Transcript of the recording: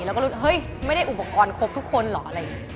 เราก็รู้ไม่ได้อุปกรณ์ครบทุกคนเหรอ